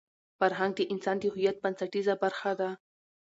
فرهنګ د انسان د هویت بنسټیزه برخه ده.